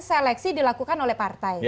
seleksi dilakukan oleh partai